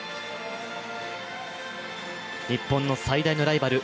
日本の最大のライバル